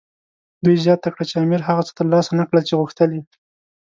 دوی زیاته کړه چې امیر هغه څه ترلاسه نه کړل چې غوښتل یې.